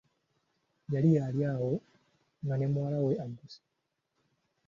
Yali ali awo nga ne muwala we agusse.